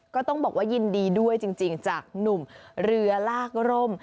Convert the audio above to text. ก็ต้องบอกว่ายินดีด้วยจริงจากหนุ่มเรือลากร่ม